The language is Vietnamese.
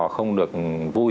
không được vui